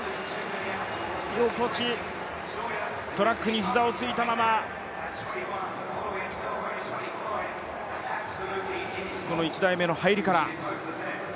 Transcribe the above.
横地、トラックに膝をついたままこの１台目の入りから。